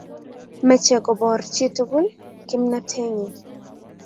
meche koboor chii tugul kimnatenyi